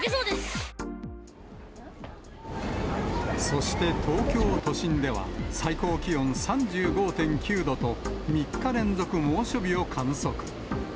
そして、東京都心では最高気温３５．９度と、３日連続猛暑日を観測。